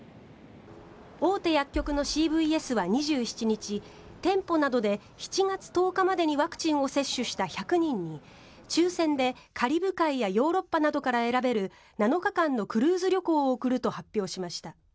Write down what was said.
大手薬局のＣＶＳは２７日店舗などで７月１０日までにワクチンを接種した１００人に抽選で、カリブ海やヨーロッパなどから選べる７日間のクルーズ旅行を贈ると発表しました。